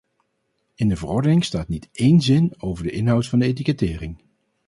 In de verordening staat niet één zin over de inhoud van de etikettering.